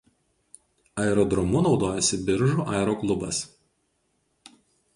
Aerodromu naudojasi Biržų aeroklubas.